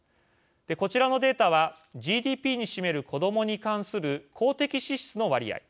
こちらのデータはＧＤＰに占める子どもに関する公的支出の割合